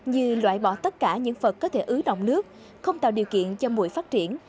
như loại bỏ tất cả những vật có thể ứ động nước không tạo điều kiện cho mũi phát triển